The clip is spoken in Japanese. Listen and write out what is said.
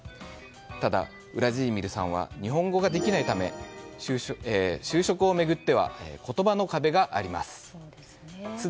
ただ、ウラジーミルさんは日本語ができないため就職を巡っては言葉の壁があります。